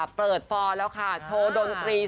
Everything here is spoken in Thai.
ฟอร์แล้วค่ะโชว์ดนตรี